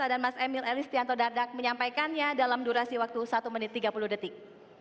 dan mas emil elis tianto dardag menyampaikannya dalam durasi waktu satu menit tiga puluh detik